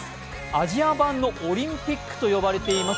アジア版のオリンピックと呼ばれています